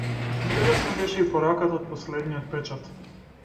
Интересна беше и пораката од последниот печат.